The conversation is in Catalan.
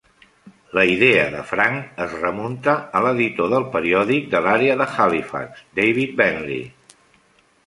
La idea de "Frank" es remunta a l'editor del periòdic de l'àrea de Halifax, David Bentley.